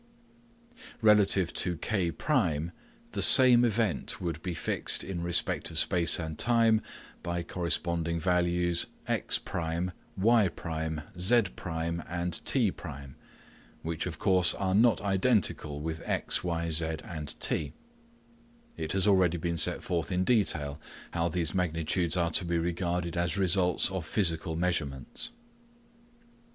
Relative to K1, the same event would be fixed in respect of space and time by corresponding values x1, y1, z1, t1, which of course are not identical with x, y, z, t. It has already been set forth in detail how these magnitudes are to be regarded as results of physical measurements.